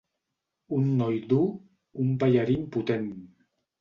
Un noi dur, un ballarí impotent.